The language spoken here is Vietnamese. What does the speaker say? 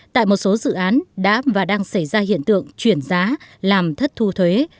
tại một số dự án đã và đang xảy ra hiện tượng chuyển giá làm thất thu thuế